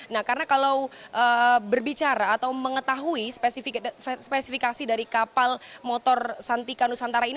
nah karena kalau berbicara atau mengetahui spesifikasi dari kapal motor santika nusantara ini